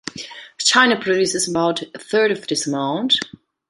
China produces about a third of this amount.